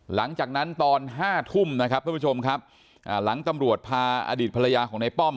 หลังจากนั้นตอนห้าทุ่มนะครับทุกผู้ชมครับหลังตำรวจพาอดีตภรรยาของในป้อม